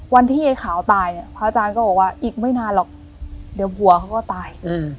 วันที่ไอ้ขาวตายเนี่ยพระอาจารย์ก็บอกว่าอีกไม่นานหรอกเดี๋ยวบัวเขาก็ตาย